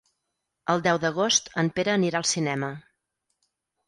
El deu d'agost en Pere anirà al cinema.